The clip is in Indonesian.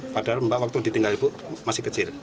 padahal mbak waktu ditinggal ibu masih kecil